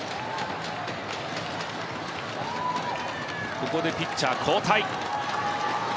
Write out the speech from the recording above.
ここでピッチャー交代。